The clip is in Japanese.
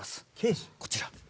こちら。